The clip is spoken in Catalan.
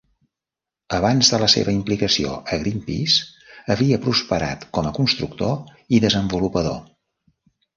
Abans de la seva implicació a Greenpeace havia prosperat com a constructor i desenvolupador.